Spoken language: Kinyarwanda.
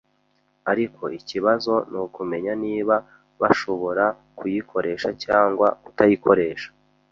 ariko ikibazo nukumenya niba bashobora kuyikoresha cyangwa kutayikoresha.